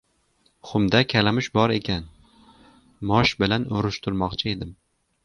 Xumda kalamush bor ekan. Mosh bilan urishtirmoqchi edim.